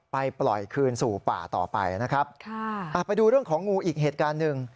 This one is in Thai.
ปล่อยคืนสู่ป่าต่อไปนะครับค่ะอ่าไปดูเรื่องของงูอีกเหตุการณ์หนึ่ง